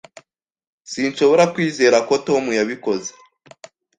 Sinshobora kwizera ko Tom yabikoze.